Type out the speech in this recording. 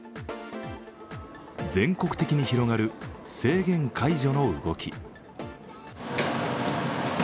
全国的に広がる制限解除の動き。